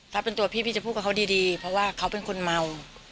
ถ้าเป็นตัวพี่พี่จะพูดกับเขาดีเพราะว่าเขาเป็นคนเมา